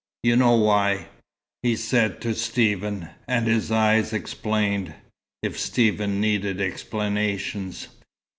"You know why," he said to Stephen, and his eyes explained, if Stephen needed explanations.